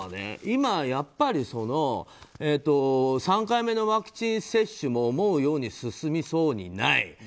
思うのは今、３回目のワクチン接種も思うように進みそうにない。